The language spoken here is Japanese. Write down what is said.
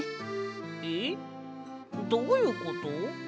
えっどういうこと？